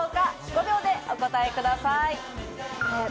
５秒でお答えください。